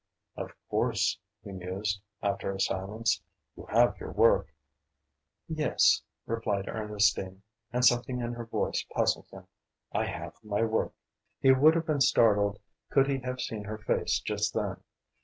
"Of course," he mused, after a silence, "you have your work." "Yes," replied Ernestine, and something in her voice puzzled him, "I have my work." He would have been startled could he have seen her face just then.